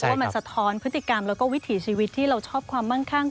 ว่ามันสะท้อนพฤติกรรมแล้วก็วิถีชีวิตที่เราชอบความมั่งข้าง